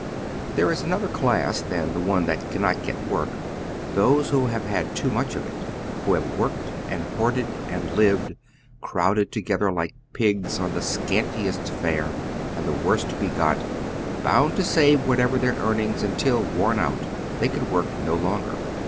There is another class than the one that cannot get work : those who have had too much of it ; who have worked and hoarded and lived, crowded together like pigs, on the scantiest fare and tlie worst to be got, bound to save whatever their earnings, until, worn out, they could work no longer.